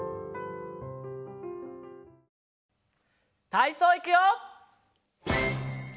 たいそういくよ！